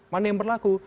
mana yang berlaku